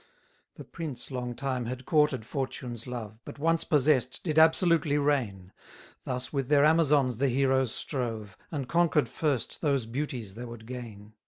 49 The prince long time had courted fortune's love, But once possess'd, did absolutely reign: Thus with their Amazons the heroes strove, And conquer'd first those beauties they would gain.